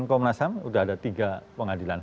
komnas ham sudah ada tiga pengadilan